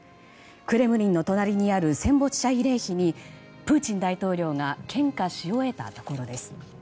クレムリンの隣にある戦没者慰霊碑にプーチン大統領が献花し終えたところです。